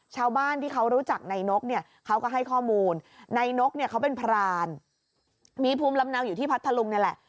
ชาวบ้านที่เขารู้จักในนกเนี่ยเขาก็ให้ข้อมูลนายนกเนี่ยเขาเป็นพรานมีภูมิลำเนาอยู่ที่พัทธลุงนี่แหละ